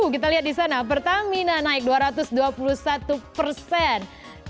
kita lihat di sana pertamina naik dua ratus dua puluh satu persen